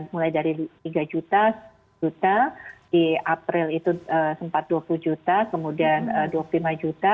mulai dari tiga juta di april itu sempat dua puluh juta kemudian dua puluh lima juta